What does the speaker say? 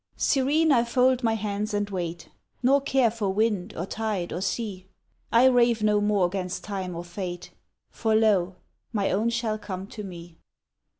Serene, I fold my hands and wait, Nor care for wind, or tide, or sea; I rave no more 'gainst time or fate, For, lo! my own shall come to me.